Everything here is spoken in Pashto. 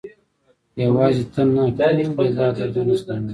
یوازې ته نه، ټول یې دا دردونه زغمي.